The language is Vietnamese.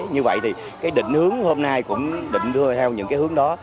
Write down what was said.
như vậy thì định hướng hôm nay cũng định đưa theo những hướng đó